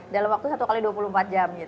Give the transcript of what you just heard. dalam waktu satu x dua puluh empat jam